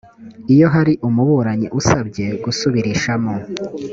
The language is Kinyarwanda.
iyo hari umuburanyi usabye gusubirishamo